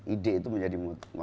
ide itu menjadi